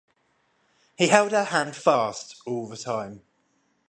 He held her hand fast all the time.